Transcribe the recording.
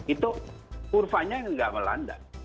itu kurvanya tidak melandai